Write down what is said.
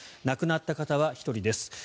亡くなった方は１人です。